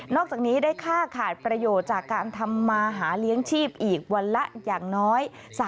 อกจากนี้ได้ค่าขาดประโยชน์จากการทำมาหาเลี้ยงชีพอีกวันละอย่างน้อย